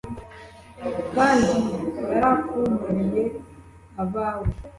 Kandi yarakumariye abawe